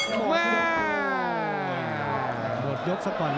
อีกชุดหนึ่ง